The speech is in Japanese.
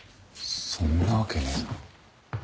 そんなわけねえだろ。